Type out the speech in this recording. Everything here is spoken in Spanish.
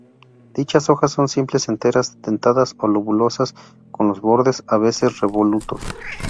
Dichas hojas son simples, enteras, dentadas o lobuladas con los bordes a veces revolutos.